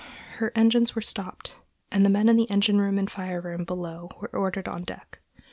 Her engines were stopped and the men in the engine room and fire room below were ordered on deck.